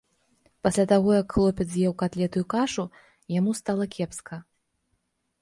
Пасля таго як хлопец з'еў катлету і кашу, яму стала кепска.